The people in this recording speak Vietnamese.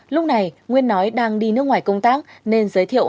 lúc này nguyên nói đang đi nước ngoài công tác nên giới thiệu